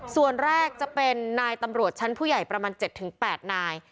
ส่วนแรกจะเป็นนายตำรวจชั้นผู้ใหญ่ประมาณ๗๘นาย